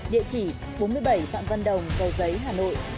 địa chỉ bốn mươi bảy phạm văn đồng cầu giấy hà nội